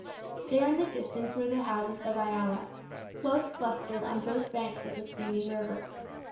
There in the distance were the houses of Iala, close clustered on both banks of the steaming river.